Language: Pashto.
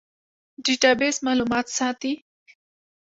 ډیټابیس معلومات ساتي